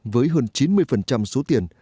với hơn chín mươi số tiền